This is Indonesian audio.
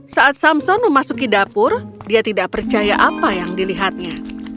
saat samson memasuki dapur dia tidak percaya apa yang dilihatnya